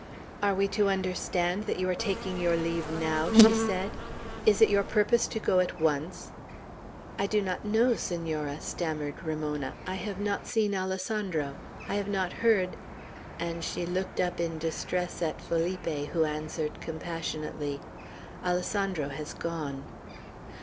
"Are we to understand that you are taking your leave now?" she said. "Is it your purpose to go at once?" "I do not know, Senora," stammered Ramona; "I have not seen Alessandro; I have not heard " And she looked up in distress at Felipe, who answered compassionately, "Alessandro has gone."